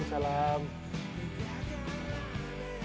panit tenang ya